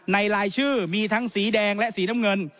รายชื่อมีทั้งสีแดงและสีน้ำเงิน